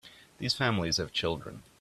These families have children.